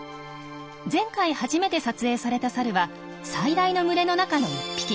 前回初めて撮影されたサルは最大の群れの中の１匹。